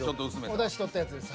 おだしとったやつです。